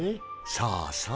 そうそう。